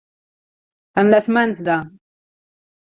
En les mans de.